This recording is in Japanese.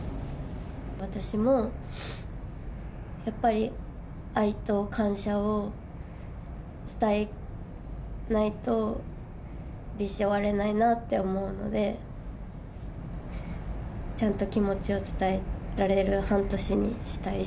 私もやっぱり愛と感謝を伝えないと、ＢｉＳＨ終われないなって思うので、ちゃんと気持ちを伝えられる半年にしたいし。